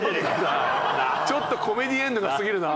ちょっとコメディエンヌがすぎるな。